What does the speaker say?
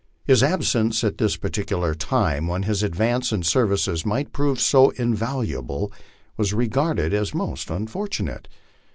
His absence at this particular time, when his advice and services might prove so invaluable, was regarded as most unfortunate.